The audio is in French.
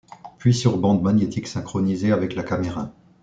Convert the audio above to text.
Puis sur bande magnétique synchronisée avec la caméra.